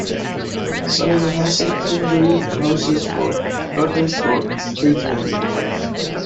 Some even had secondary houses for gardeners or estate managers.